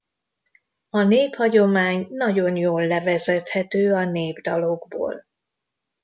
A néphagyomány nagyon jól levezethető a népdalokból.